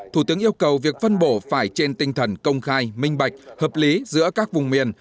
thủ tướng yêu cầu việc phân bổ phải trên tinh thần công khai minh bạch hợp lý giữa các vùng miền